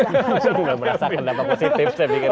saya merasa kendama positif saya pikir